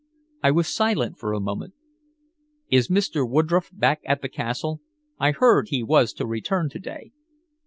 I was silent for a moment. "Is Mr. Woodroffe back at the castle? I heard he was to return to day."